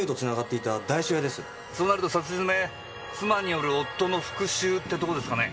そうなるとさしづめ妻による夫の復讐ってとこですかね。